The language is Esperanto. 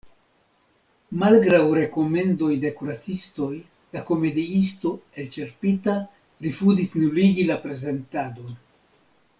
Malgraŭ rekomendoj de kuracistoj, la komediisto, elĉerpita, rifuzis nuligi la prezentadon.